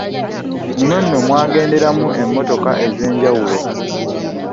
Muno nno mwagenderamu emmmotoka ez’enjawulo.